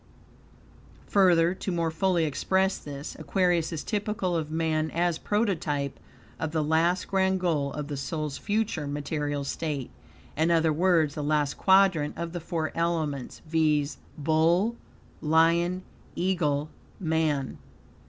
Further, to more fully express this, Aquarius is typical of man, as prototype of the last grand goal of the soul's future material state in other words, the last quadrant of the four elements, viz.: Bull, Lion, Eagle, Man.